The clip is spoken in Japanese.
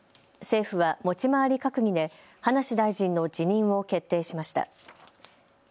政府は持ち回り閣議で葉梨大臣の辞任を決定しました。